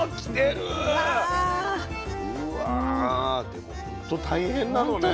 でもほんと大変なのね。